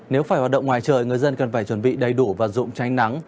nếu phải hoạt động ngoài trời người dân cần phải chuẩn bị đầy đủ và dụng tranh nắng